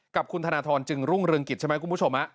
กับคุณธนทรจึงรุ่งเรืองกิจใช่ไหมคุณผู้ชม